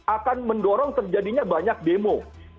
akan mendorong terjadinya banyak demo